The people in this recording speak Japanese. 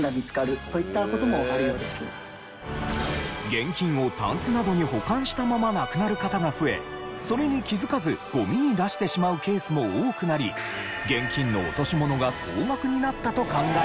現金をたんすなどに保管したまま亡くなる方が増えそれに気づかずゴミに出してしまうケースも多くなり現金の落とし物が高額になったと考えられています。